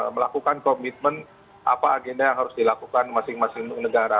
melakukan komitmen apa agenda yang harus dilakukan masing masing negara